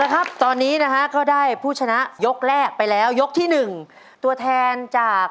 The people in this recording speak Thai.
ก็คือคำว่า